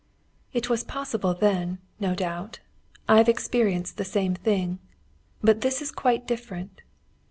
"It was possible then, no doubt. I have experienced the same thing. But this is quite different.